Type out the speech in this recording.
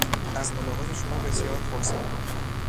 از ملاقات شما بسیار خرسندم.